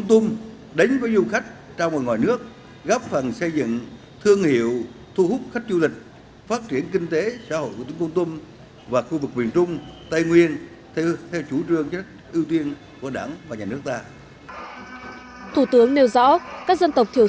thủ tướng nêu rõ các dân tộc thiểu số tỉnh con tôm